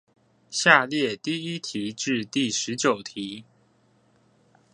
下列第一題至第十九題